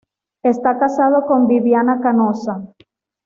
Está casado con Viviana Canosa.